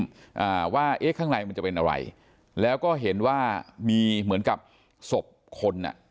อ่าว่าเอ๊ะข้างในมันจะเป็นอะไรแล้วก็เห็นว่ามีเหมือนกับศพคนอ่ะ